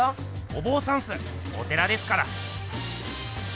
おぼうさんっすお寺ですから。